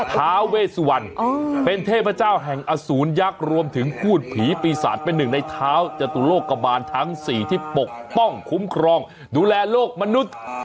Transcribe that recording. ท้าเวสวรรณเป็นเทพเจ้าแห่งอสูรยักษ์รวมถึงพูดผีปีศาจเป็นหนึ่งในเท้าจตุโลกกะบานทั้ง๔ที่ปกป้องคุ้มครองดูแลโลกมนุษย์